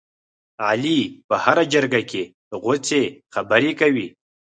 علي په هره جرګه کې غوڅې خبرې کوي.